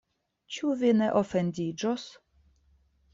Ĉu vi ne ofendiĝos?